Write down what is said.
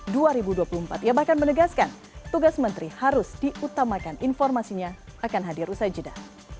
dia bahkan menegaskan tugas menteri harus diutamakan informasinya akan hadir usai jeda